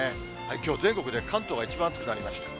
きょう、全国で関東が一番暑くなりました。